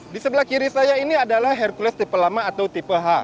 di sebelah kiri saya ini adalah hercules tipe lama atau tipe h